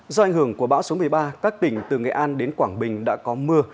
do ảnh hưởng của bão số một mươi ba các tỉnh từ nghệ an đến quảng bình đã có mưa